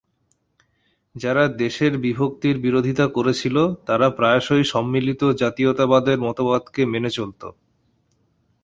যারা দেশের বিভক্তির বিরোধিতা করেছিল তারা প্রায়শই সম্মিলিত জাতীয়তাবাদের মতবাদকে মেনে চলত।